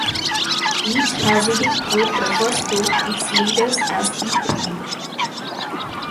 Each Hasidic group refers to its leader as "the rebbe".